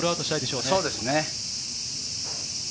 そうですね。